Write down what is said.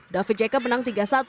david jk menang tiga satu